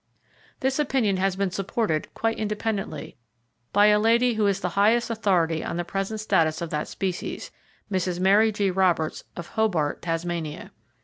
This opinion has been supported, quite independently, by a lady who is the highest authority on the present status of that species, Mrs. Mary G. Roberts, of Hobart, Tasmania.